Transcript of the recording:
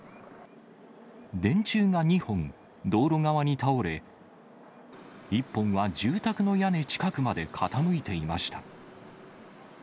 電柱が２本、道路側に倒れ、１本は住宅の屋根近くまで傾いていました。